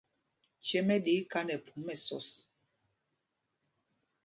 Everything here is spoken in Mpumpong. Cêm ɛ ɗɛ iká nɛ phum mɛsɔs.